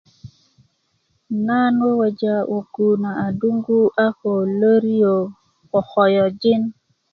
nan weweja wogu na adungu a ko loriyo ko koyojin